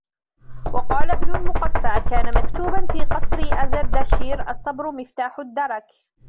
وَقَالَ ابْنُ الْمُقَفَّعِ كَانَ مَكْتُوبًا فِي قَصْرِ أَزْدَشِيرِ الصَّبْرُ مِفْتَاحُ الدَّرَكِ